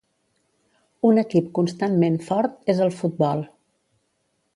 Un equip constantment fort és el futbol.